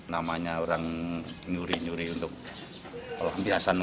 namanya orang nyuri nyuri untuk mencari air panas